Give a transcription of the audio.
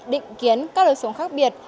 định kiến các lời sống khác biệt